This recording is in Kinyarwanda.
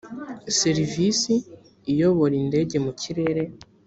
serivisi iyobora indege mu kirere